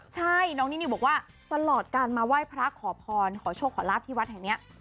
ใช่น้องนินิวบอกว่าตลอดการมาไหว้พระขอพรขอโชคขอลาบที่วัดแห่งนี้